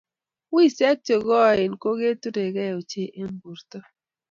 Wiseek che koen ko keturekei ochei eng borto.